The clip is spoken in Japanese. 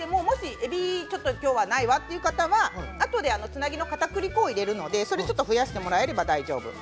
えびがないという方はつなぎのかたくり粉をあとで入れるのでそれを増やしてもらえれば大丈夫。